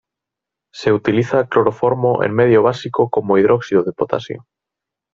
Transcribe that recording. Se utiliza cloroformo en medio básico, como hidróxido de potasio.